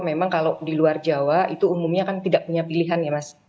memang kalau di luar jawa itu umumnya kan tidak punya pilihan ya mas